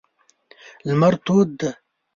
لمر تود دی.